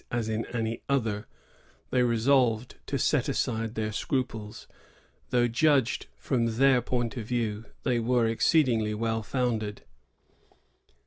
91 as in anj other, they lesolyed to set aside their scruples, although, judged from their point of view, they were exceedingly well founded.